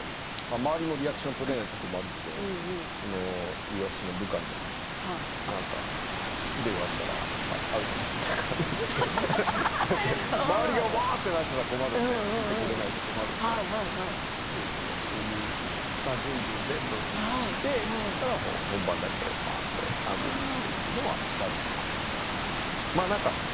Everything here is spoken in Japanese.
周りもリアクション取れないと困るので家康の部下にだけ失礼があったらあるかもしれないからって伝えて周りが、うわあっとなったらついてこれないと困るのでそういう下準備を全部してから本番だけバーンって殴ったというのはしましたね。